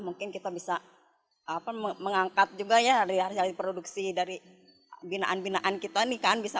mungkin kita bisa apa le craneang amat juga ya rihari produksi dari binaan binaan kita ini kan bisa